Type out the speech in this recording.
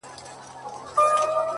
دا عجیبه شاني درد دی له صیاده تر خیامه